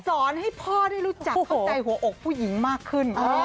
เพราะฉะนั้นพ่อได้รู้จักเข้าใจหัวอกผู้หญิงมากขึ้น